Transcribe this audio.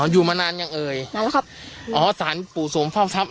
อยู่มานานยังเอ่ยนานแล้วครับอ๋อสารปู่สมเฝ้าทรัพย